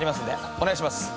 お願いします。